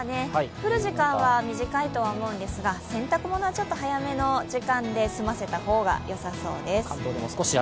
降る時間は短いとは思うんですが洗濯物は早めの時間で済ませた方がよさそうです。